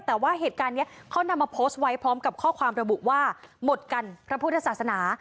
แต่ว่าเหตุการณ์นี้เขานำมาโพสต์ไว้พร้อมกับข้อความระบุว่าหมดกันพระพุทธศาสนา